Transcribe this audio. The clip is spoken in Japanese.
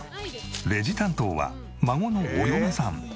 レジ担当は孫のお嫁さん。